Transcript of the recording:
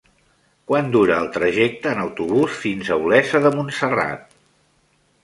Quant dura el trajecte en autobús fins a Olesa de Montserrat?